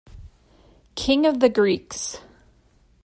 "King of the Greeks".